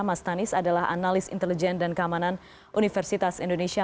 mas tanis adalah analis intelijen dan keamanan universitas indonesia